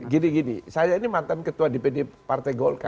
gini gini saya ini mantan ketua dpd partai golkar